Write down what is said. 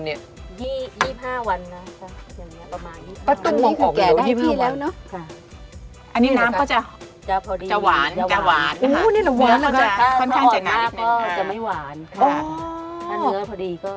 นี่แหละหวานแล้วก็จะค่อนข้างจะงานอีกหนึ่ง